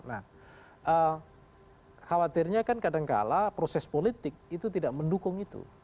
nah khawatirnya kan kadangkala proses politik itu tidak mendukung itu